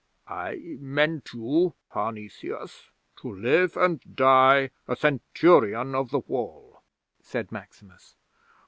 '"I meant you, Parnesius, to live and die a Centurion of the Wall," said Maximus.